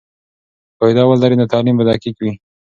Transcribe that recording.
که قاعده ولري، نو تعلیم به دقیق وي.